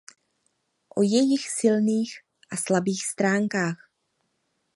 O jejich silných a slabých stránkách.